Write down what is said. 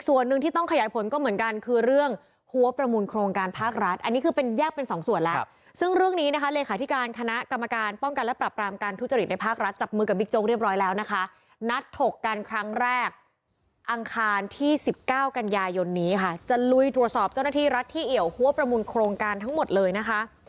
ว่าจะจะติดสอบเจ้าหน้าที่รัฐที่เหย่อฮวประมูลโครงการทั้งหมดเลยนะคะ